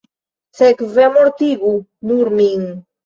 Sekve, mortigu nur min.